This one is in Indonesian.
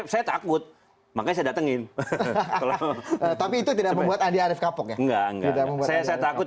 saya takut makanya saya datengin tapi itu tidak membuat andi arief kapok ya enggak saya takut